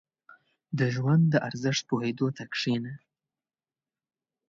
• د ژوند د ارزښت پوهېدو ته کښېنه.